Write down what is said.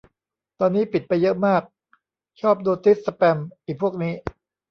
ตอนนี้ปิดไปเยอะมาก ชอบโนติสแปม อิพวกนี้